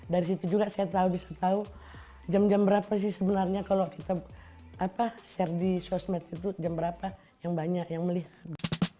dari situ juga saya tahu bisa tahu jam jam berapa sih sebenarnya kalau kita share di sosmed itu jam berapa yang banyak yang melihat